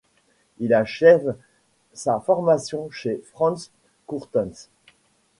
Il achève sa formation chez Franz Courtens.